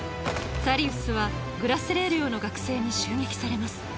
サリウスはグラスレー寮の学生に襲撃されます